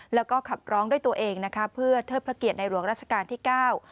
แล้วก็ขับร้องด้วยตัวเองนะคะเพื่อเทิดพระเกียรติในหลวงราชการที่เก้า